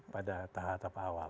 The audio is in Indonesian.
pada tahap awal